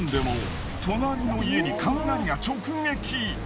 隣の家に雷が直撃。